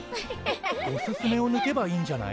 「おすすめ」をぬけばいいんじゃない？